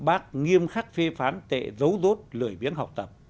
bác nghiêm khắc phê phán tệ dấu dốt lời biến học tập